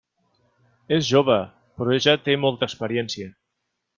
És jove, però ja té molta experiència.